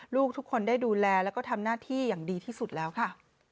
ลูกทุกคนได้ดูแลแล้วก็ทำหน้าที่อย่างดีที่สุดแล้วค่ะ